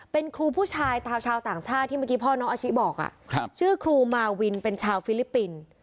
เป็นครูผู้ชายชาวต่างชาติที่เมื่อกี้พ่อน้องอาชิบอกชื่อครูมาวินเป็นชาวฟิลิปปินส์